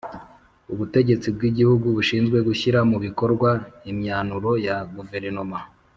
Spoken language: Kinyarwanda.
Ubutegetsi bw’gihugu bushinzwe gushyira mu bikorwa imyanuro ya guverinoma